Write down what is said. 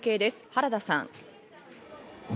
原田さん。